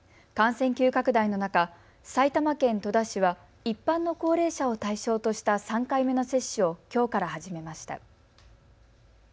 感染急拡大の中、埼玉県戸田市は一般の高齢者を対象とした３回目の接種をきょうから始めました。